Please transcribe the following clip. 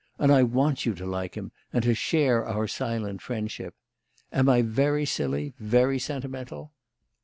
And I want you to like him and to share our silent friendship. Am I very silly, very sentimental?"